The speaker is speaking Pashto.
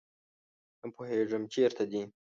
نه پوهیږم چیرته دي